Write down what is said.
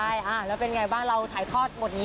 เขาอยากให้แบบเล่นอะไรที่แบบเราไม่รู้ว่าเราคิดอะไรอยู่